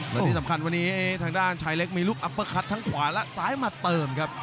และที่สำคัญวันนี้ทางด้านชายเล็กมีลูกอัปเปอร์คัดทั้งขวาและซ้ายมาเติมครับ